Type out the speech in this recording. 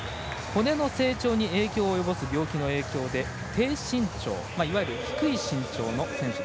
骨の成長に成長を及ぼす病気の影響で低身長いわゆる低い身長の選手。